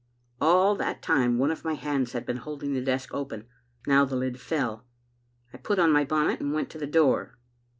" All that time one of my hands had been holding the desk open. Now the lid fell. I put on my bonnet and went to the door.